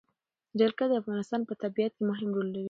جلګه د افغانستان په طبیعت کې مهم رول لري.